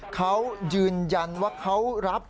เขายืนยันว่าเขารับ